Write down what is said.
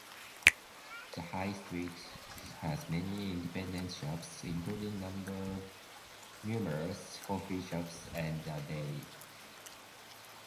The high street has many independent shops including numerous coffee shops and a deli.